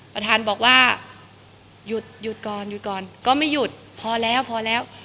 ประธานบอกว่าหยุดหยุดก่อนหยุดก่อนก็ไม่หยุดพอแล้วพอแล้ว